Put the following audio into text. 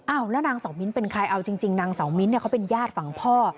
แล้วนางเสามิ้นเป็นใครเอาจริงนางเสามิ้นเนี่ยเขาเป็นญาติฝั่งพ่อ